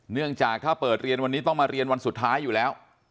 เนื่องจากถ้าเปิดเรียนวันนี้ต้องมาเรียนวันสุดท้ายอยู่แล้ว